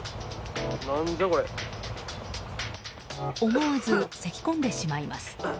思わず、せき込んでしまいます。